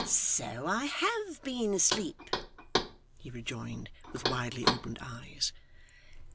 'So I HAVE been asleep,' he rejoined, with widely opened eyes.